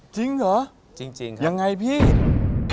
จริงเหรอยังไงพี่จริงครับ